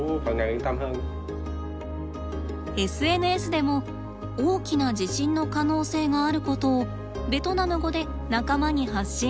ＳＮＳでも大きな地震の可能性があることをベトナム語で仲間に発信。